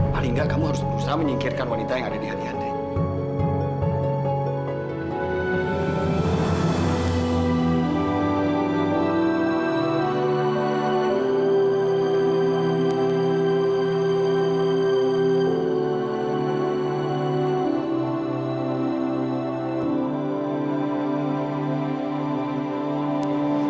paling kurang kamu harus men volumes manijengkirkan wanita di hati andrei